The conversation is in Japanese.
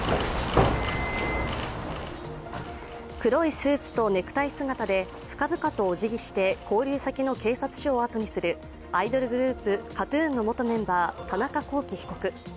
黒いスーツとネクタイ姿で深々とおじぎして勾留先の警察署をあとにするアイドルグループＫＡＴ−ＴＵＮの元メンバー、田中聖被告。